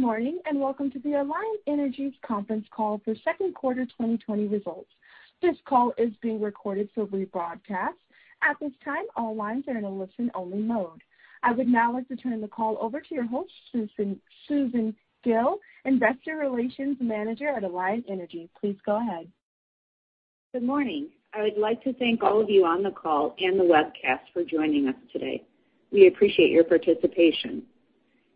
Good morning, and welcome to the Alliant Energy conference call for second quarter 2020 results. This call is being recorded to rebroadcast. At this time, all lines are in a listen-only mode. I would now like to turn the call over to your host, Susan Gille, Investor Relations Manager at Alliant Energy. Please go ahead. Good morning. I would like to thank all of you on the call and the webcast for joining us today. We appreciate your participation.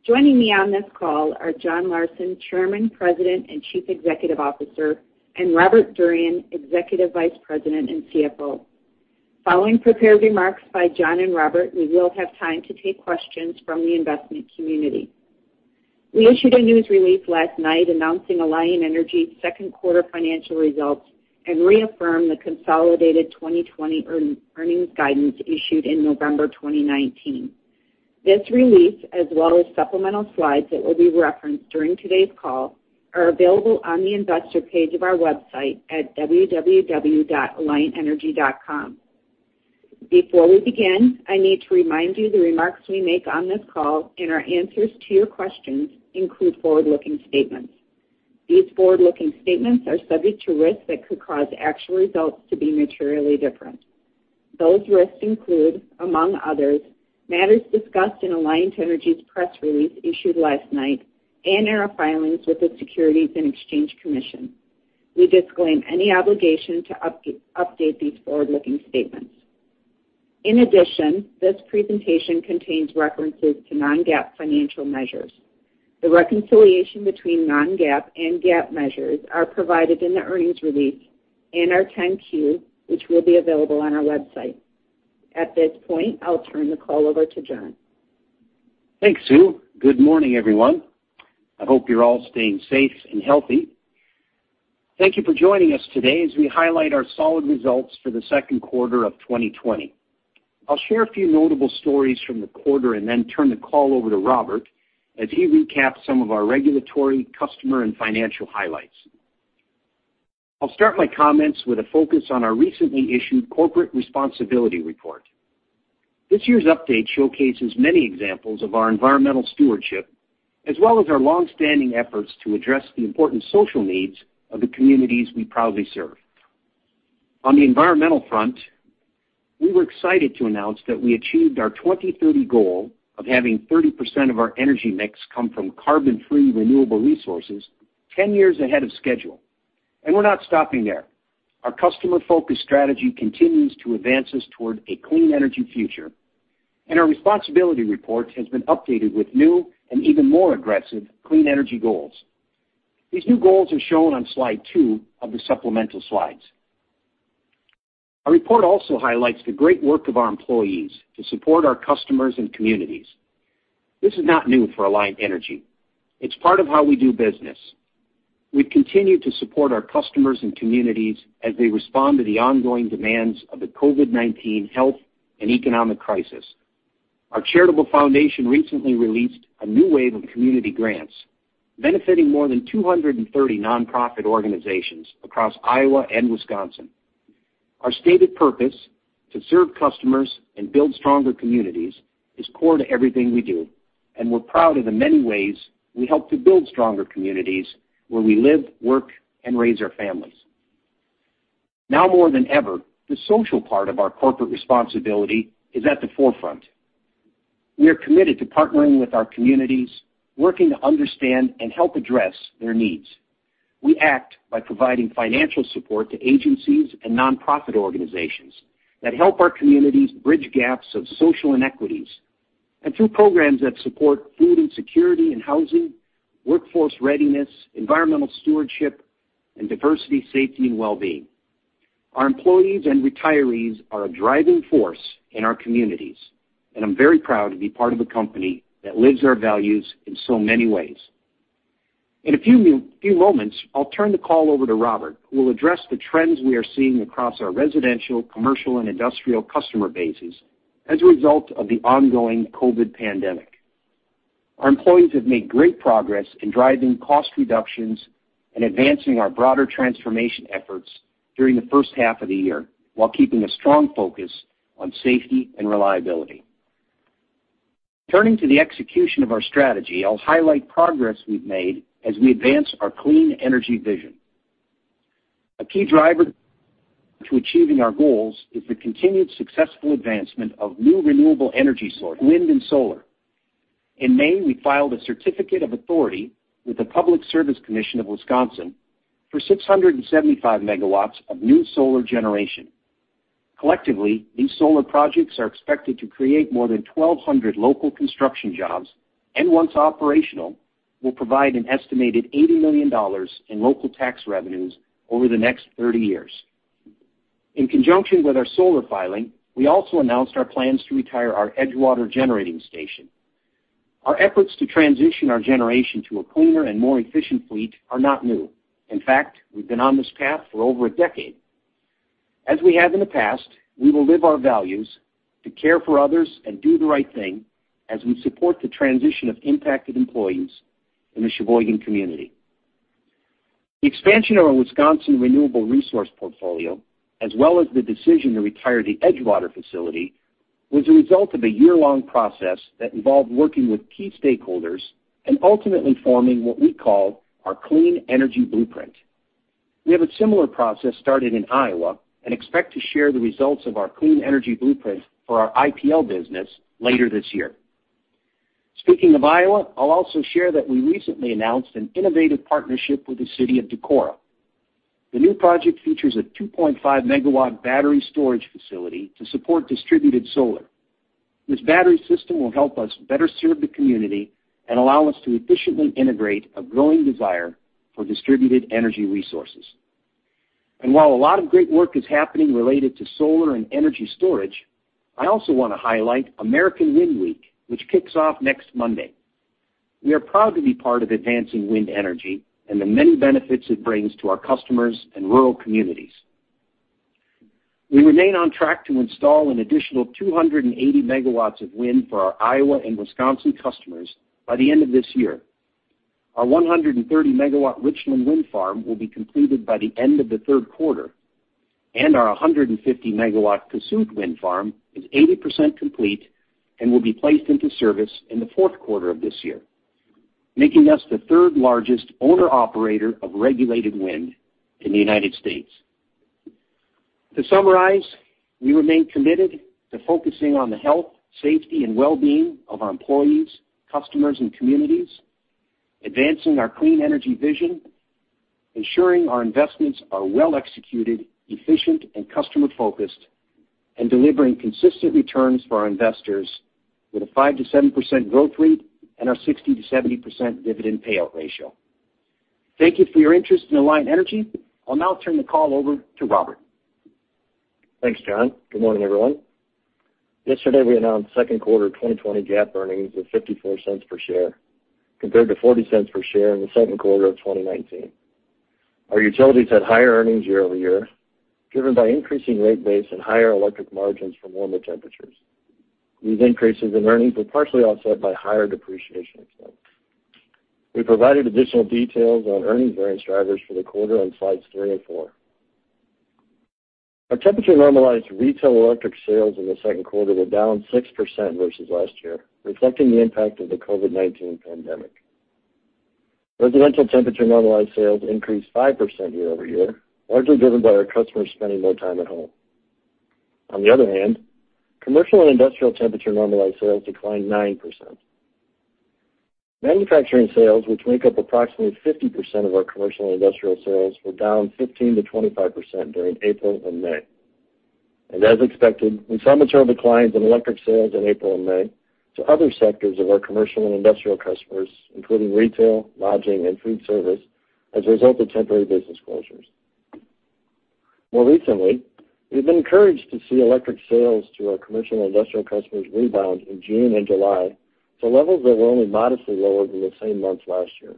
Joining me on this call are John Larsen, Chairman, President, and Chief Executive Officer, and Robert Durian, Executive Vice President and CFO. Following prepared remarks by John and Robert, we will have time to take questions from the investment community. We issued a news release last night announcing Alliant Energy's second quarter financial results and reaffirmed the consolidated 2020 earnings guidance issued in November 2019. This release, as well as supplemental slides that will be referenced during today's call, are available on the investor page of our website at www.alliantenergy.com. Before we begin, I need to remind you the remarks we make on this call and our answers to your questions include forward-looking statements. These forward-looking statements are subject to risks that could cause actual results to be materially different. Those risks include, among others, matters discussed in Alliant Energy's press release issued last night and our filings with the Securities and Exchange Commission. We disclaim any obligation to update these forward-looking statements. In addition, this presentation contains references to non-GAAP financial measures. The reconciliation between non-GAAP and GAAP measures are provided in the earnings release and our 10-Q, which will be available on our website. At this point, I'll turn the call over to John. Thanks, Sue. Good morning, everyone. I hope you're all staying safe and healthy. Thank you for joining us today as we highlight our solid results for the second quarter of 2020. I'll share a few notable stories from the quarter and then turn the call over to Robert as he recaps some of our regulatory, customer, and financial highlights. I'll start my comments with a focus on our recently issued corporate responsibility report. This year's update showcases many examples of our environmental stewardship, as well as our longstanding efforts to address the important social needs of the communities we proudly serve. On the environmental front, we were excited to announce that we achieved our 2030 goal of having 30% of our energy mix come from carbon-free renewable resources 10 years ahead of schedule. We're not stopping there. Our customer-focused strategy continues to advance us toward a clean energy future, and our responsibility report has been updated with new and even more aggressive clean energy goals. These new goals are shown on slide two of the supplemental slides. Our report also highlights the great work of our employees to support our customers and communities. This is not new for Alliant Energy. It's part of how we do business. We've continued to support our customers and communities as they respond to the ongoing demands of the COVID-19 health and economic crisis. Our charitable foundation recently released a new wave of community grants, benefiting more than 230 nonprofit organizations across Iowa and Wisconsin. Our stated purpose, to serve customers and build stronger communities, is core to everything we do, and we're proud of the many ways we help to build stronger communities where we live, work, and raise our families. Now more than ever, the social part of our corporate responsibility is at the forefront. We are committed to partnering with our communities, working to understand and help address their needs. We act by providing financial support to agencies and nonprofit organizations that help our communities bridge gaps of social inequities and through programs that support food insecurity and housing, workforce readiness, environmental stewardship, and diversity, safety, and wellbeing. Our employees and retirees are a driving force in our communities, and I'm very proud to be part of a company that lives our values in so many ways. In a few moments, I'll turn the call over to Robert, who will address the trends we are seeing across our residential, commercial, and industrial customer bases as a result of the ongoing COVID-19 pandemic. Our employees have made great progress in driving cost reductions and advancing our broader transformation efforts during the first half of the year while keeping a strong focus on safety and reliability. Turning to the execution of our strategy, I'll highlight progress we've made as we advance our clean energy vision. A key driver to achieving our goals is the continued successful advancement of new renewable energy sources, wind and solar. In May, we filed a certificate of authority with the Public Service Commission of Wisconsin for 675 megawatts of new solar generation. Collectively, these solar projects are expected to create more than 1,200 local construction jobs, and once operational, will provide an estimated $80 million in local tax revenues over the next 30 years. In conjunction with our solar filing, we also announced our plans to retire our Edgewater generating station. Our efforts to transition our generation to a cleaner and more efficient fleet are not new. In fact, we've been on this path for over a decade. As we have in the past, we will live our values to care for others and do the right thing as we support the transition of impacted employees in the Sheboygan community. The expansion of our Wisconsin renewable resource portfolio, as well as the decision to retire the Edgewater facility, was the result of a year-long process that involved working with key stakeholders and ultimately forming what we call our Clean Energy Blueprint. We have a similar process started in Iowa, and expect to share the results of our Clean Energy Blueprint for our IPL business later this year. Speaking of Iowa, I'll also share that we recently announced an innovative partnership with the city of Decorah. The new project features a 2.5 MW battery storage facility to support distributed solar. This battery system will help us better serve the community and allow us to efficiently integrate a growing desire for distributed energy resources. While a lot of great work is happening related to solar and energy storage, I also want to highlight American Wind Week, which kicks off next Monday. We are proud to be part of advancing wind energy and the many benefits it brings to our customers and rural communities. We remain on track to install an additional 280 megawatts of wind for our Iowa and Wisconsin customers by the end of this year. Our 130 MW Richland Wind Farm will be completed by the end of the third quarter, and our 150 MW Kossuth Wind Farm is 80% complete and will be placed into service in the fourth quarter of this year, making us the third-largest owner/operator of regulated wind in the U.S. To summarize, we remain committed to focusing on the health, safety, and wellbeing of our employees, customers, and communities, advancing our clean energy vision, ensuring our investments are well-executed, efficient, and customer-focused, and delivering consistent returns for our investors with a 5%-7% growth rate and our 60%-70% dividend payout ratio. Thank you for your interest in Alliant Energy. I'll now turn the call over to Robert. Thanks, John. Good morning, everyone. Yesterday, we announced second quarter 2020 GAAP earnings of $0.54 per share compared to $0.40 per share in the second quarter of 2019. Our utilities had higher earnings year-over-year, driven by increasing rate base and higher electric margins from warmer temperatures. These increases in earnings were partially offset by higher depreciation expense. We provided additional details on earnings variance drivers for the quarter on slides three and four. Our temperature-normalized retail electric sales in the second quarter were down 6% versus last year, reflecting the impact of the COVID-19 pandemic. Residential temperature-normalized sales increased 5% year-over-year, largely driven by our customers spending more time at home. On the other hand, commercial and industrial temperature-normalized sales declined 9%. Manufacturing sales, which make up approximately 50% of our commercial and industrial sales, were down 15%-25% during April and May. As expected, we saw material declines in electric sales in April and May to other sectors of our commercial and industrial customers, including retail, lodging, and food service, as a result of temporary business closures. More recently, we've been encouraged to see electric sales to our commercial and industrial customers rebound in June and July to levels that were only modestly lower than the same months last year.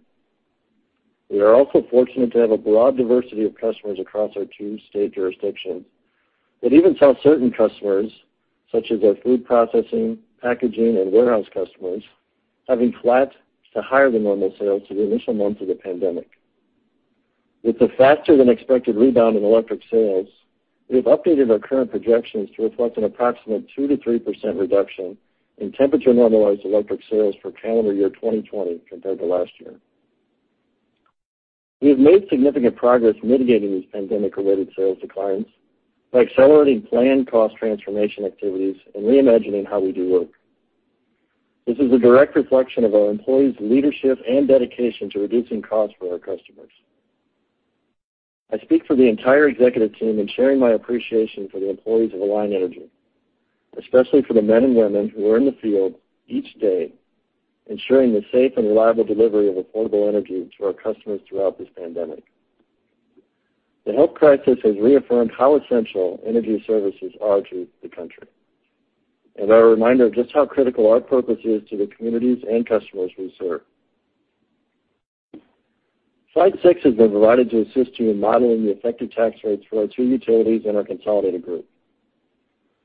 We are also fortunate to have a broad diversity of customers across our two state jurisdictions that even saw certain customers, such as our food processing, packaging, and warehouse customers, having flat to higher-than-normal sales for the initial months of the pandemic. With the faster-than-expected rebound in electric sales, we've updated our current projections to reflect an approximate 2%-3% reduction in temperature-normalized electric sales for calendar year 2020 compared to last year. We have made significant progress mitigating these pandemic-related sales declines by accelerating planned cost transformation activities and reimagining how we do work. This is a direct reflection of our employees' leadership and dedication to reducing costs for our customers. I speak for the entire executive team in sharing my appreciation for the employees of Alliant Energy, especially for the men and women who are in the field each day ensuring the safe and reliable delivery of affordable energy to our customers throughout this pandemic. The health crisis has reaffirmed how essential energy services are to the country and are a reminder of just how critical our purpose is to the communities and customers we serve. Slide six has been provided to assist you in modeling the effective tax rates for our two utilities and our consolidated group.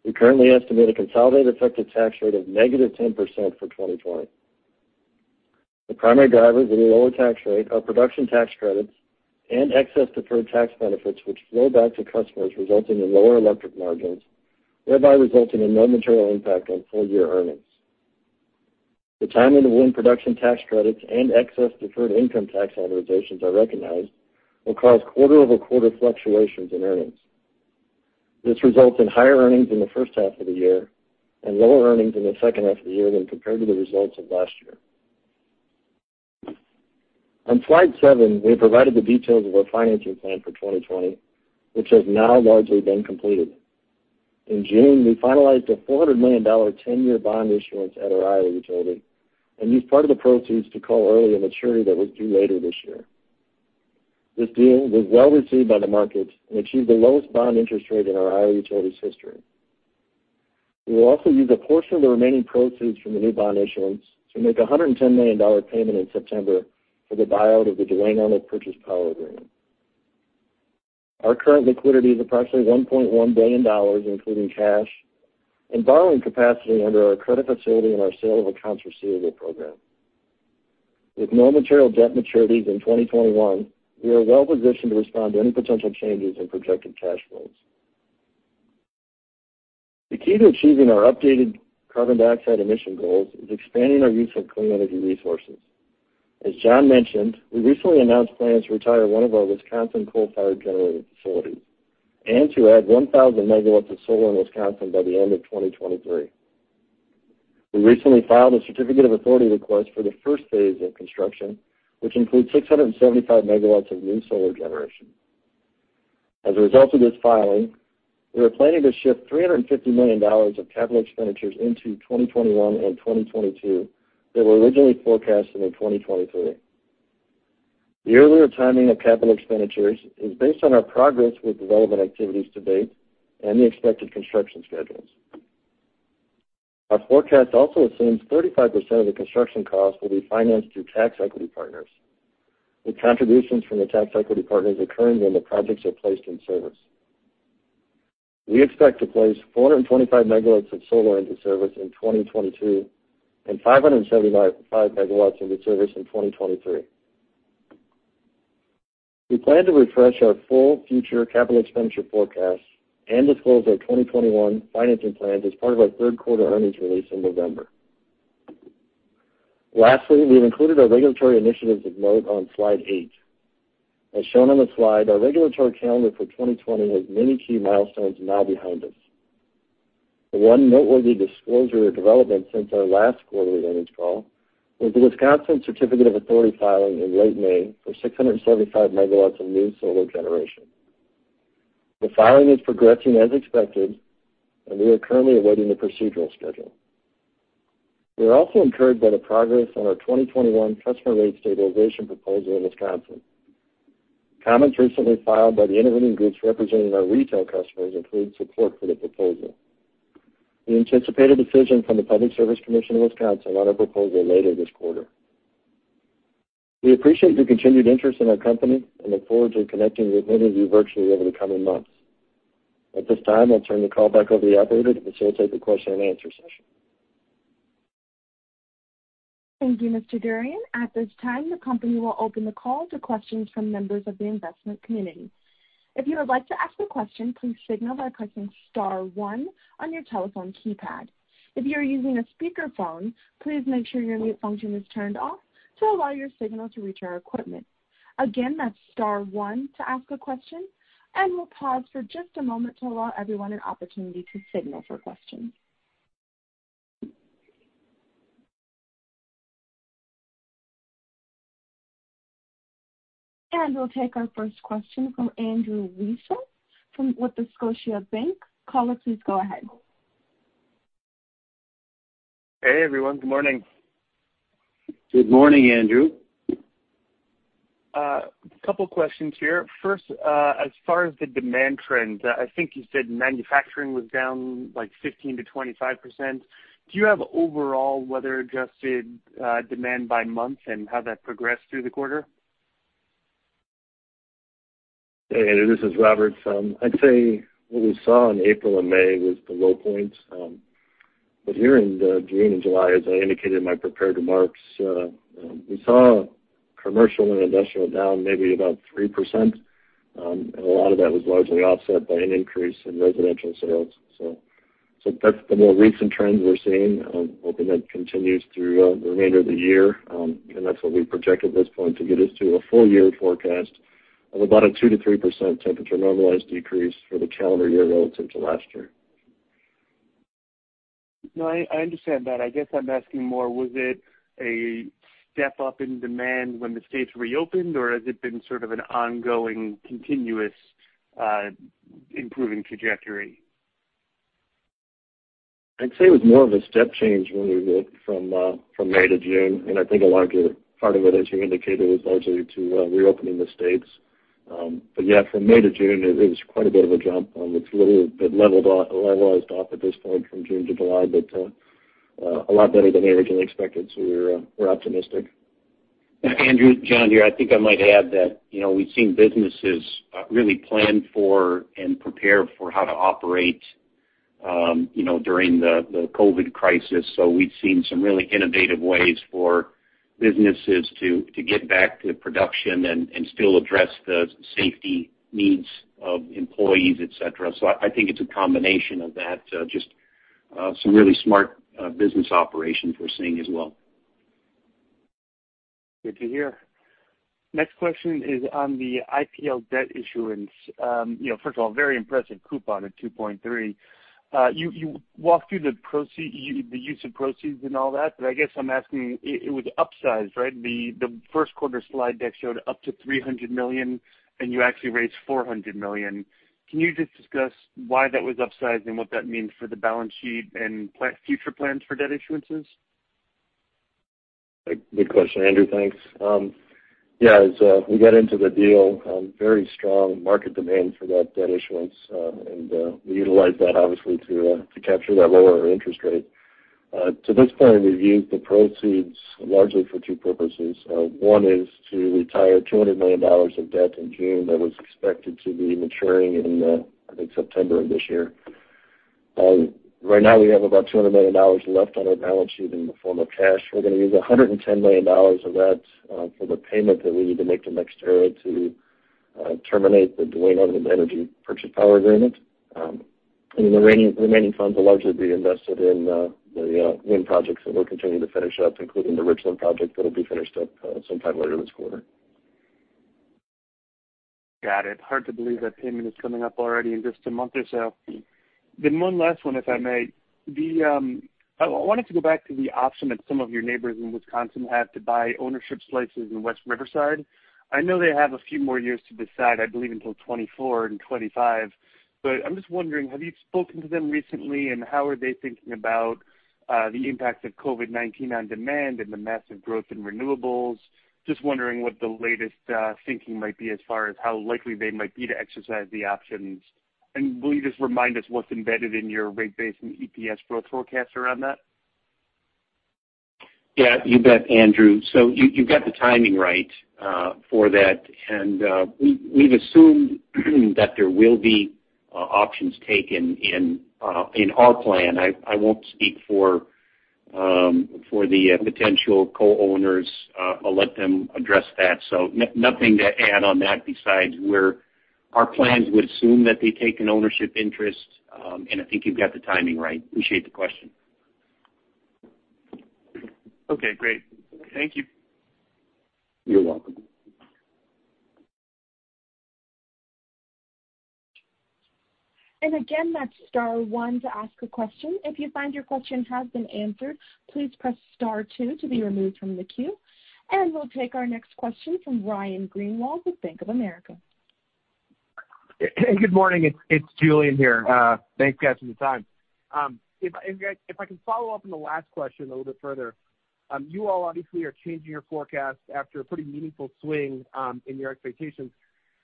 We currently estimate a consolidated effective tax rate of -10% for 2020. The primary drivers of the lower tax rate are production tax credits and excess deferred tax benefits, which flow back to customers, resulting in lower electric margins, thereby resulting in no material impact on full-year earnings. The timing of wind production tax credits and excess deferred income tax amortizations are recognized will cause quarter-over-quarter fluctuations in earnings. This results in higher earnings in the first half of the year and lower earnings in the second half of the year when compared to the results of last year. On slide seven, we have provided the details of our financing plan for 2020, which has now largely been completed. In June, we finalized a $400 million 10-year bond issuance at our Iowa utility and used part of the proceeds to call early a maturity that was due later this year. This deal was well-received by the markets and achieved the lowest bond interest rate in our Iowa utility's history. We will also use a portion of the remaining proceeds from the new bond issuance to make a $110 million payment in September for the buyout of the Duane Arnold purchase power agreement. Our current liquidity is approximately $1.1 billion, including cash and borrowing capacity under our credit facility and our sale of accounts receivable program. With no material debt maturities in 2021, we are well-positioned to respond to any potential changes in projected cash flows. The key to achieving our updated carbon dioxide emission goals is expanding our use of clean energy resources. As John mentioned, we recently announced plans to retire one of our Wisconsin coal-fired generating facilities and to add 1,000 megawatts of solar in Wisconsin by the end of 2023. We recently filed a certificate of authority request for the first phase of construction, which includes 675 megawatts of new solar generation. As a result of this filing, we are planning to shift $350 million of capital expenditures into 2021 and 2022 that were originally forecasted in 2023. The earlier timing of capital expenditures is based on our progress with development activities to date and the expected construction schedules. Our forecast also assumes 35% of the construction cost will be financed through tax equity partners, with contributions from the tax equity partners occurring when the projects are placed in service. We expect to place 425 MW of solar into service in 2022 and 575 MW into service in 2023. We plan to refresh our full future capital expenditure forecast and disclose our 2021 financing plans as part of our third-quarter earnings release in November. Lastly, we've included our regulatory initiatives of note on Slide eight. As shown on the slide, our regulatory calendar for 2020 has many key milestones now behind us. The one noteworthy disclosure or development since our last quarterly earnings call was the Wisconsin certificate of authority filing in late May for 675 MW of new solar generation. The filing is progressing as expected, and we are currently awaiting the procedural schedule. We are also encouraged by the progress on our 2021 customer rate stabilization proposal in Wisconsin. Comments recently filed by the intervening groups representing our retail customers include support for the proposal. We anticipate a decision from the Public Service Commission of Wisconsin on our proposal later this quarter. We appreciate your continued interest in our company and look forward to connecting with many of you virtually over the coming months. At this time, I'll turn the call back over to the operator to facilitate the question and answer session. Thank you, Mr. Durian. At this time, the company will open the call to questions from members of the investment community. If you would like to ask a question, please signal by pressing star one on your telephone keypad. If you are using a speakerphone, please make sure your mute function is turned off to allow your signal to reach our equipment. Again, that's star one to ask a question. We'll pause for just a moment to allow everyone an opportunity to signal for questions. We'll take our first question from Andrew Weisel with Scotiabank. Caller, please go ahead. Hey, everyone. Good morning. Good morning, Andrew. A couple of questions here. First, as far as the demand trends, I think you said manufacturing was down 15%-25%. Do you have overall weather-adjusted demand by month and how that progressed through the quarter? Hey, Andrew. This is Robert. I'd say what we saw in April and May was the low point. Here in June and July, as I indicated in my prepared remarks, we saw commercial and industrial down maybe about 3%, and a lot of that was largely offset by an increase in residential sales. That's the more recent trend we're seeing. Hoping that continues through the remainder of the year, and that's what we projected at this point to get us to a full-year forecast of about a 2%-3% temperature normalized decrease for the calendar year relative to last year. No, I understand that. I guess I'm asking more, was it a step up in demand when the states reopened, or has it been sort of an ongoing, continuous improving trajectory? I'd say it was more of a step change when we went from May to June. I think a larger part of it, as you indicated, was largely to reopening the states. Yeah, from May to June, it was quite a bit of a jump. It's really been levelized off at this point from June to July, but a lot better than I originally expected, so we're optimistic. Andrew, John here. I think I might add that we've seen businesses really plan for and prepare for how to operate during the COVID crisis. We've seen some really innovative ways for businesses to get back to production and still address the safety needs of employees, et cetera. I think it's a combination of that, just some really smart business operations we're seeing as well. Good to hear. Next question is on the IPL debt issuance. First of all, very impressive coupon at 2.3%. You walked through the use of proceeds and all that, but I guess I'm asking, it was upsized, right? The first quarter slide deck showed up to $300 million, and you actually raised $400 million. Can you just discuss why that was upsized and what that means for the balance sheet and future plans for debt issuances? Good question, Andrew. Thanks. Yeah. As we got into the deal, very strong market demand for that debt issuance, we utilized that obviously to capture that lower interest rate. To this point, we've used the proceeds largely for two purposes. One is to retire $200 million of debt in June that was expected to be maturing in, I think, September of this year. Right now we have about $200 million left on our balance sheet in the form of cash. We're going to use $110 million of that for the payment that we need to make to NextEra to terminate the Duane Arnold Energy purchase power agreement. The remaining funds will largely be invested in the wind projects that we're continuing to finish up, including the Richland project that'll be finished up sometime later this quarter. Got it. Hard to believe that payment is coming up already in just a month or so. One last one, if I may. I wanted to go back to the option that some of your neighbors in Wisconsin have to buy ownership slices in West Riverside. I know they have a few more years to decide, I believe until 2024 and 2025, but I'm just wondering, have you spoken to them recently, and how are they thinking about the impacts of COVID-19 on demand and the massive growth in renewables? Just wondering what the latest thinking might be as far as how likely they might be to exercise the options. Will you just remind us what's embedded in your rate base and EPS growth forecast around that? Yeah, you bet, Andrew. You've got the timing right for that. We've assumed that there will be options taken in our plan. I won't speak for the potential co-owners. I'll let them address that. Nothing to add on that besides our plans would assume that they take an ownership interest, and I think you've got the timing right. Appreciate the question. Okay, great. Thank you. You're welcome. Again, that's star one to ask a question. If you find your question has been answered, please press star two to be removed from the queue. We'll take our next question from Ryan Greenwald with Bank of America. Good morning. It's Julien here. Thanks, guys, for the time. If I can follow up on the last question a little bit further. You all obviously are changing your forecast after a pretty meaningful swing in your expectations.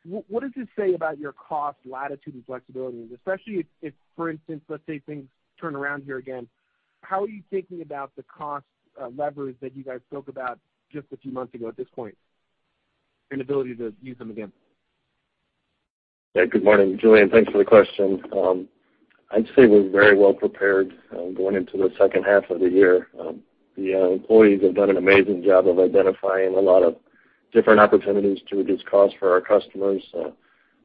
What does this say about your cost latitude and flexibility? Especially if, for instance, let's say things turn around here again, how are you thinking about the cost levers that you guys spoke about just a few months ago at this point and ability to use them again? Good morning, Julien. Thanks for the question. I'd say we're very well prepared going into the second half of the year. The employees have done an amazing job of identifying a lot of different opportunities to reduce costs for our customers,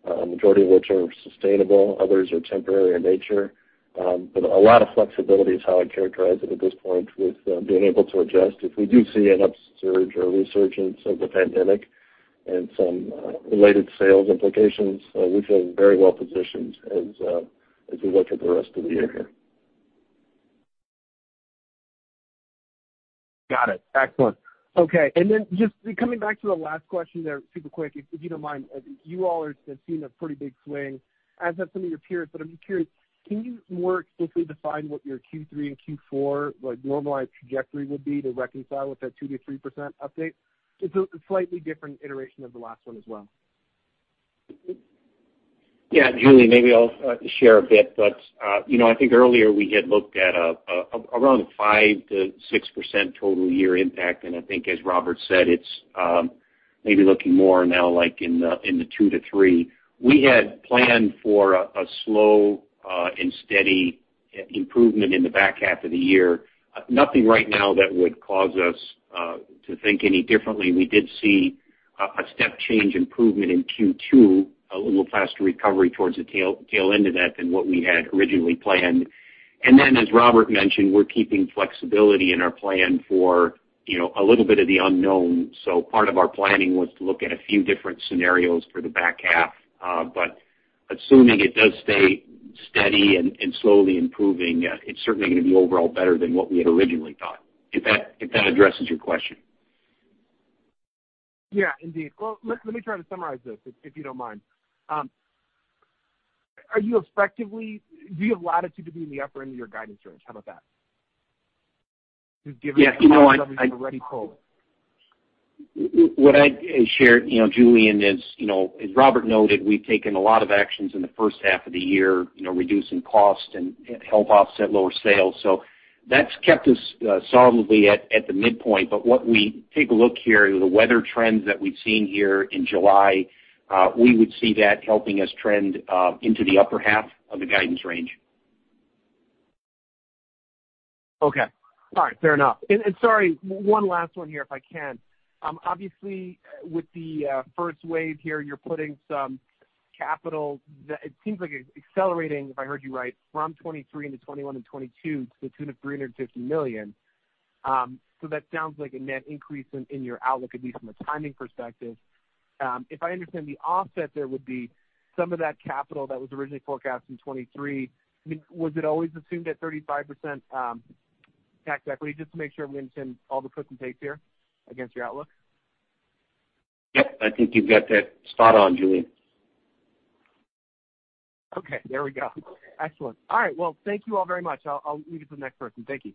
a majority of which are sustainable. Others are temporary in nature. A lot of flexibility is how I'd characterize it at this point with being able to adjust. If we do see an upsurge or a resurgence of the pandemic and some related sales implications, we feel very well positioned as we look at the rest of the year. Got it. Excellent. Okay. Just coming back to the last question there super quick, if you don't mind. You all have seen a pretty big swing as have some of your peers, but I'm just curious, can you more explicitly define what your Q3 and Q4 normalized trajectory would be to reconcile with that 2%-3% update? It's a slightly different iteration of the last one as well. Yeah. Julien, maybe I'll share a bit. I think earlier we had looked at around a 5%-6% total year impact, and I think as Robert said, it's maybe looking more now like in the 2%-3%. We had planned for a slow and steady improvement in the back half of the year. Nothing right now that would cause us to think any differently. We did see a step change improvement in Q2, a little faster recovery towards the tail end of that than what we had originally planned. As Robert mentioned, we're keeping flexibility in our plan for a little bit of the unknown. Part of our planning was to look at a few different scenarios for the back half. Assuming it does stay steady and slowly improving, it's certainly going to be overall better than what we had originally thought. If that addresses your question. Yeah, indeed. Let me try to summarize this, if you don't mind. Do you have latitude to be in the upper end of your guidance range? How about that? Yeah. Everything you've already pulled. What I'd share, Julien, is, as Robert noted, we've taken a lot of actions in the first half of the year reducing costs and help offset lower sales. That's kept us solidly at the midpoint. What we take a look here are the weather trends that we've seen here in July. We would see that helping us trend into the upper half of the guidance range. Okay. All right. Fair enough. Sorry, one last one here, if I can. Obviously, with the first wave here, you're putting some capital that it seems like is accelerating, if I heard you right, from 2023 into 2021 and 2022 to the tune of $350 million. That sounds like a net increase in your outlook, at least from a timing perspective. If I understand the offset there would be some of that capital that was originally forecast in 2023. I mean, was it always assumed at 35% tax equity? Just to make sure I'm getting all the puts and takes here against your outlook. Yep. I think you've got that spot on, Julien. Okay. There we go. Excellent. All right. Well, thank you all very much. I'll leave it to the next person. Thank you.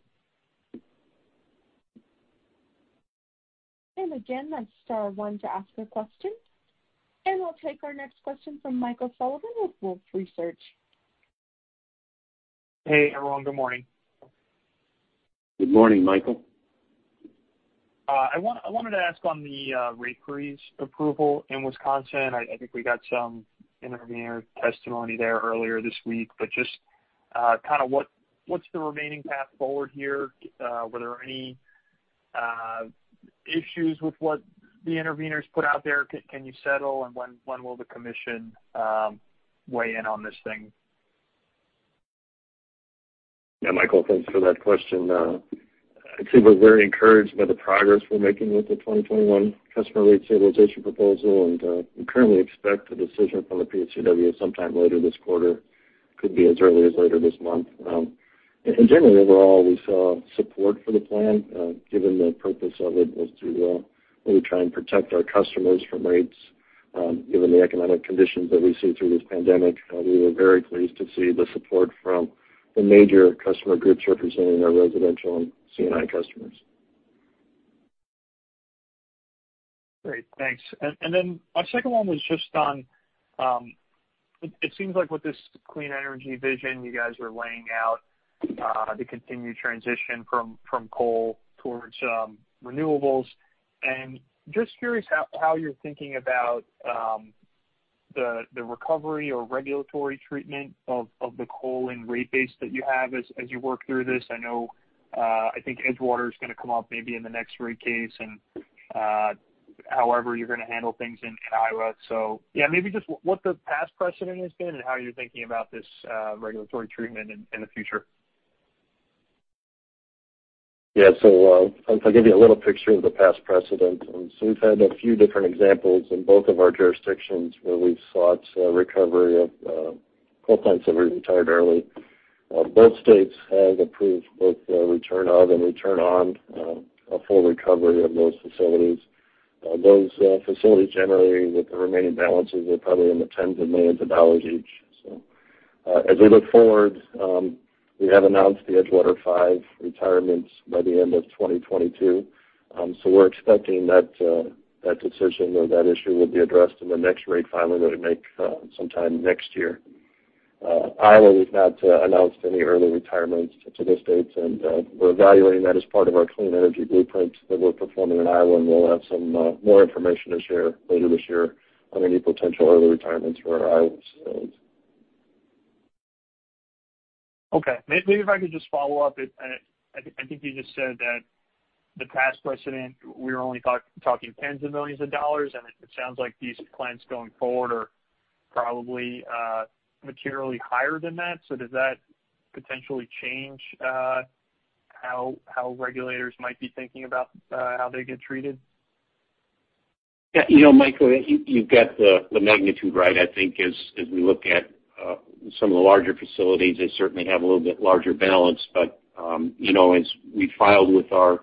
Again, that's star one to ask a question. We'll take our next question from Michael Sullivan with Wolfe Research. Hey, everyone. Good morning. Good morning, Michael. I wanted to ask on the rate freeze approval in Wisconsin. I think we got some intervenor testimony there earlier this week. Just kind of what's the remaining path forward here? Were there any issues with what the intervenors put out there? Can you settle? When will the Commission weigh in on this thing? Yeah, Michael, thanks for that question. I'd say we're very encouraged by the progress we're making with the 2021 customer rate stabilization proposal, and we currently expect a decision from the PSCW sometime later this quarter. Could be as early as later this month. In general, overall, we saw support for the plan, given the purpose of it was to really try and protect our customers from rates, given the economic conditions that we see through this pandemic. We were very pleased to see the support from the major customer groups representing our residential and C&I customers. Great, thanks. My second one was just on, it seems like with this clean energy vision you guys are laying out, the continued transition from coal towards renewables, and just curious how you're thinking about the recovery or regulatory treatment of the coal and rate base that you have as you work through this. I know, I think Edgewater's going to come up maybe in the next rate case and however you're going to handle things in Iowa. Maybe just what the past precedent has been and how you're thinking about this regulatory treatment in the future. Yeah. If I give you a little picture of the past precedent. We've had a few different examples in both of our jurisdictions where we've sought recovery of coal plants that we retired early. Both states have approved both return of and return on a full recovery of those facilities. Those facilities generally with the remaining balances are probably in the tens of millions of dollars each. As we look forward, we have announced the Edgewater five retirements by the end of 2022. We're expecting that decision or that issue will be addressed in the next rate filing that we make sometime next year. Iowa, we've not announced any early retirements to this date, and we're evaluating that as part of our Clean Energy Blueprint that we're performing in Iowa, and we'll have some more information to share later this year on any potential early retirements for our Iowa states. Okay. Maybe if I could just follow up. I think you just said that the past precedent, we're only talking tens of millions of dollars, and it sounds like these plans going forward are probably materially higher than that. Does that potentially change how regulators might be thinking about how they get treated? You know, Michael, you've got the magnitude right. I think as we look at some of the larger facilities, they certainly have a little bit larger balance. As we filed with our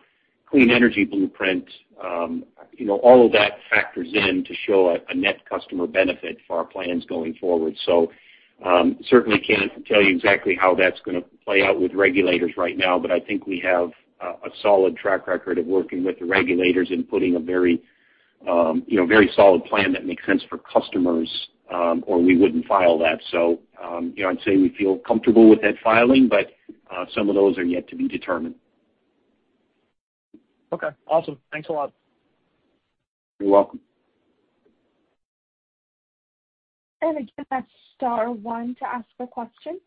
Clean Energy Blueprint, all of that factors in to show a net customer benefit for our plans going forward. Certainly can't tell you exactly how that's going to play out with regulators right now, I think we have a solid track record of working with the regulators in putting a very solid plan that makes sense for customers, we wouldn't file that. I'd say we feel comfortable with that filing, some of those are yet to be determined. Okay, awesome. Thanks a lot. You're welcome. Again, that's star one to ask a question.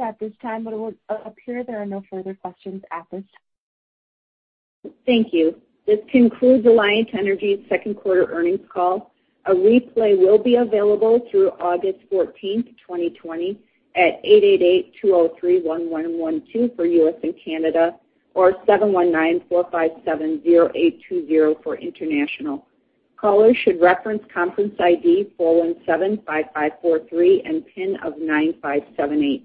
At this time, it would appear there are no further questions at this time. Thank you. This concludes Alliant Energy's second quarter earnings call. A replay will be available through August 14th, 2020 at 888-203-1112 for U.S. and Canada, or 719-457-0820 for international. Callers should reference conference ID: 4175543 and PIN of 9578.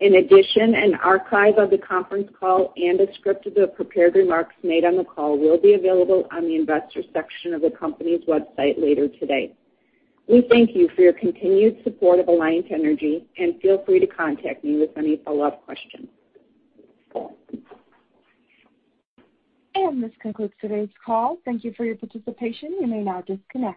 In addition, an archive of the conference call and a script of the prepared remarks made on the call will be available on the Investors section of the company's website later today. We thank you for your continued support of Alliant Energy, and feel free to contact me with any follow-up questions. This concludes today's call. Thank you for your participation. You may now disconnect.